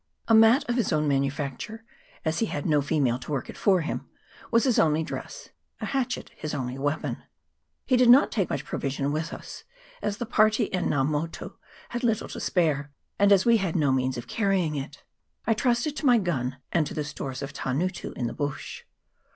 A mat of his own manufacture, as he had no female to work it for him, was his only dress ; a hatchet his only weapon. We did not take much provision with us, as the party in Nga Motu had little to spare, and as we had no means of carrying it. I trusted to my gun and to the stores of Tangutu in the bush.